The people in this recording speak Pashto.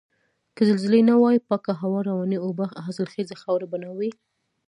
که زلزلې نه وای پاکه هوا، روانې اوبه، حاصلخیزه خاوره به نه وای.